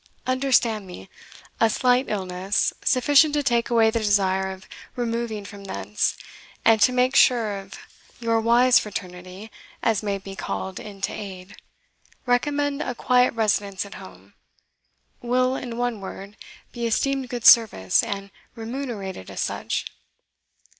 Understand me a slight illness, sufficient to take away the desire of removing from thence, and to make such of your wise fraternity as may be called in to aid, recommend a quiet residence at home, will, in one word, be esteemed good service, and remunerated as such."